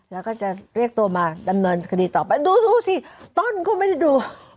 แล้วก็จะเรียกตัวมาดำเนินคดีต่อไปดูดูสิต้นก็ไม่ได้ดู